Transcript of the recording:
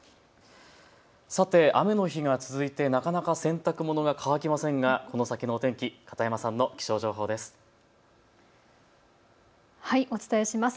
さて雨の日が続いてなかなか洗濯物が乾きませんがこの先の天気、片山さんの気象情報です。